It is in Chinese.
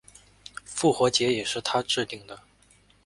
复活节也是他制定的。